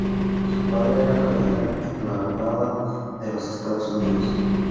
Su padre era capitán en la Armada de los Estados Unidos.